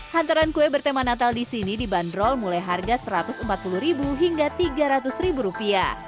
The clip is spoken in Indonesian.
hantaran kue bertema natal di sini dibanderol mulai harga rp satu ratus empat puluh hingga rp tiga ratus